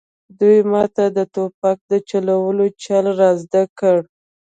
دوی ماته د ټوپک د چلولو چل را زده کړ